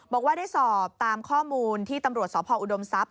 บอกว่าได้สอบตามข้อมูลที่ตำรวจสพออุดมทรัพย